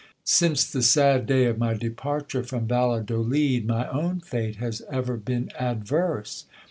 Since the sad day of my departure from Valladolid, my own fate has ever been adverse.